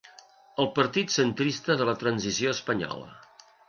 El partit centrista de la transició espanyola.